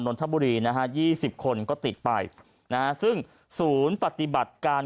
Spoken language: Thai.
นทบุรีนะฮะยี่สิบคนก็ติดไปนะฮะซึ่งศูนย์ปฏิบัติการ